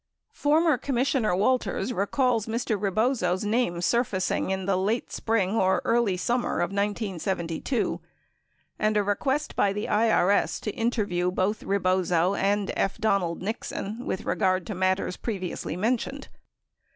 Former Commissioner Walters re calls Mr. Rebozo's name surfacing in the late spring or early summer of 1972 and a request by the IRS to interview both Rebozo and F. Donald Nixon with regard to matters previously mentioned.